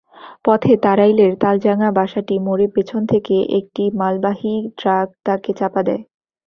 পথে তাড়াইলের তালজাঙ্গা-বাঁশাটি মোড়ে পেছন থেকে একটি মালবাহী ট্রাক তাঁকে চাপা দেয়।